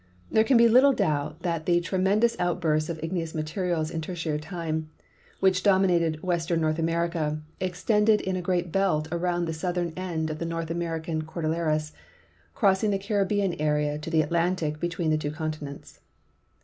There can be little doubt that the tremendous outbursts of igneous material in Tertiary time, which domi nated western Xorth America, extended in a great belt around the southern end of the North American cordilleras, crossing the Caribbean area to the Atlantic between the two continents.